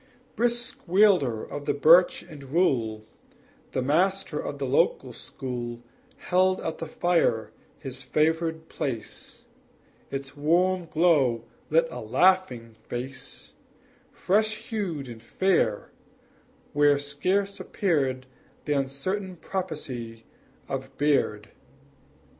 Brisk wielder of the birch and rule, The master of the district school Held at the fire his favored place, Its warm glow lit a laughing face Fresh hued and fair, where scarce appeared The uncertain prophecy of beard.